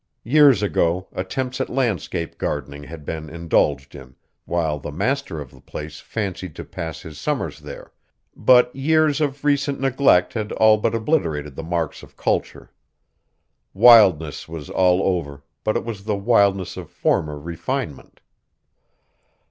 Years ago attempts at landscape gardening had been indulged in, while the master of the place fancied to pass his summers there, but years of recent neglect had all but obliterated the marks of culture. Wildness was over all, but it was the wildness of former refinement.